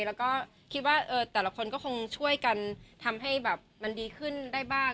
แล้วก็คิดว่าแต่ละคนก็คงช่วยกันทำให้แบบมันดีขึ้นได้บ้าง